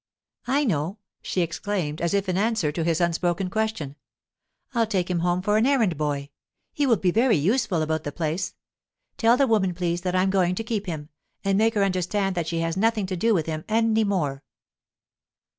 'I know!' she exclaimed as if in answer to his unspoken suggestion; 'I'll take him home for an errand boy. He will be very useful about the place. Tell the woman, please, that I'm going to keep him, and make her understand that she has nothing to do with him any more.